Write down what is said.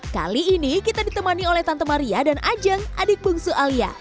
kali ini kita ditemani oleh tante maria dan ajeng adik bungsu alia